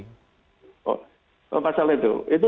oh pasal itu